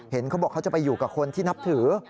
เขาบอกเขาจะไปอยู่กับคนที่นับถือ